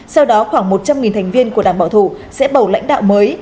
sau đó khoảng một trăm linh thành viên của đảng bảo thủ sẽ bầu lãnh đạo mới